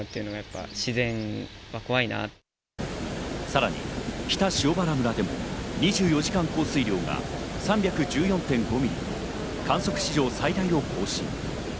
さらに北塩原村でも２４時間降水量が３１４．５ミリ、観測史上最大を更新。